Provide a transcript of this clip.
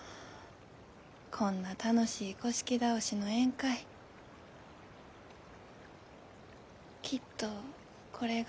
こんな楽しい倒しの宴会きっとこれが。